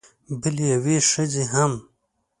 بلې یوې ښځې هم